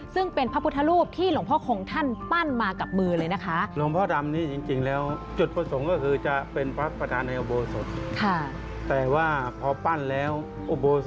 แสดงว่าคนมาขอแล้วได้จริงนะครับ